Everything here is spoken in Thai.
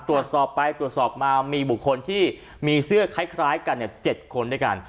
ตรวจสอบไปตรวจสอบมามีบุคคลที่มีเสื้อคล้ายกัน๗คนด้วยกัน